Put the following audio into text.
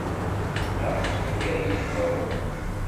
Aql-i gar yizmawen.